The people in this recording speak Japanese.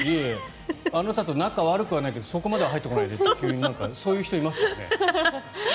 あなたと仲悪くはないけどそこまでは入ってこないでってそういう人いますもんね。